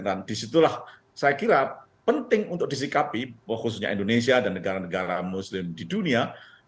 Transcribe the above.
dan disitulah saya kira penting untuk disikapi khususnya indonesia dan negara negara muslim di dunia